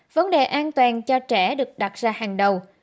vấn đề an toàn cho trẻ được đặt ra hàng đầu